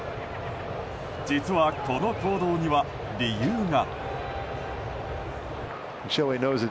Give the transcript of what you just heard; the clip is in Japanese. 実はこの行動には理由が。